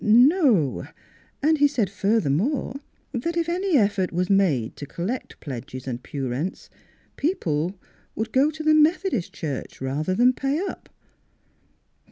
"" No. And he said furthermore that if any effort was made to collect pledges and pew rents people would go to the Metho dist Church rather than pay up."